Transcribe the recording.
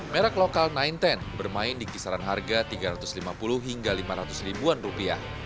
merek lokal sembilan ratus sepuluh bermain di kisaran harga rp tiga ratus lima puluh rp lima ratus